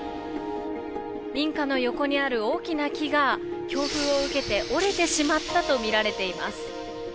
民家の横にある大きな木が強風を受けて折れてしまったとみられています。